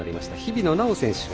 日比野菜緒選手